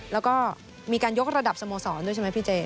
แล้วก็มีการยกระดับสโมสรด้วยใช่ไหมพี่เจ